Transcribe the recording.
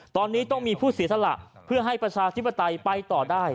ตอนนี้ต้องมีผู้เสียสละเพื่อให้ประชาธิปไตยไปต่อได้